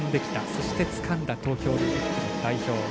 そして、つかんだ東京オリンピックの代表。